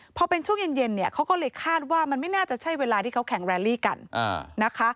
พอเป็นช่วงเย็นเนี่ยเขาก็เลยคาดว่ามันไม่น่าจะใช่เวลาที่เขาแข่งแรลลี่กันนะคะ